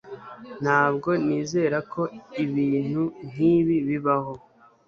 Ntabwo nizera ko ibintu nkibi bibaho